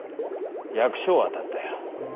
役所を当たったよ。